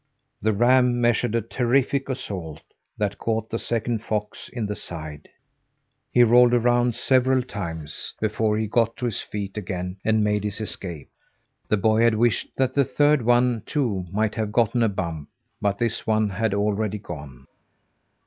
The ram measured a terrific assault that caught the second fox in the side. He rolled around several times before he got to his feet again and made his escape. The boy had wished that the third one, too, might have gotten a bump, but this one had already gone.